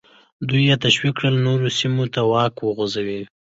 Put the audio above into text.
دوی یې تشویق کړل نورو سیمو ته واک وغځوي.